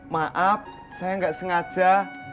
maaf saya enggak sengaja